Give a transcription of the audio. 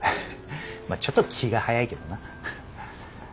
まあちょっと気が早いけどな。